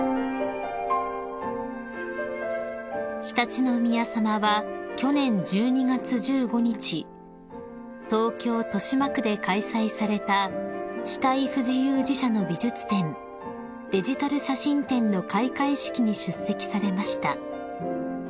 ［常陸宮さまは去年１２月１５日東京豊島区で開催された肢体不自由児・者の美術展／デジタル写真展の開会式に出席されました］